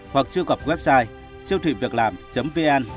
hoặc truy cập website siêu thịviệclảm vn